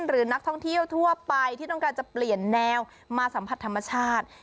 หรือนักท่องเที่ยวทั่วไปที่ต้องการจะเปลี่ยนแนวมาสัมผัสธรรมชาติ